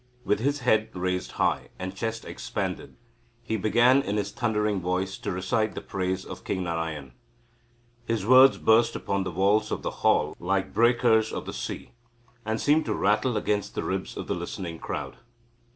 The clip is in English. With his head raised high and chest expanded, he began in his thundering voice to recite the praise of King Narayan. His words burst upon the walls of the hall like breakers of the sea, and seemed to rattle against the ribs of the listening crowd.